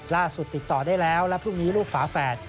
ล่าสุดติดต่อได้แล้วแล้วพรุ่งนี้ลูกฝาแฝด